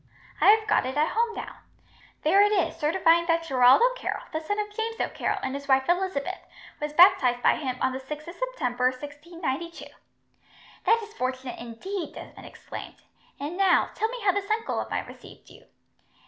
I have got it at home now. There it is, certifying that Gerald O'Carroll, the son of James O'Carroll and his wife Elizabeth, was baptized by him on the 6th of September, 1692." "That is fortunate, indeed," Desmond exclaimed. "And now, tell me how this uncle of mine received you."